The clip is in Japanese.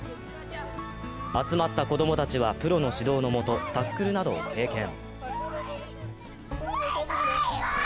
集まった子供たちはプロの指導の下、タックルなどを経験。